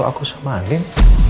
foto aku sama andien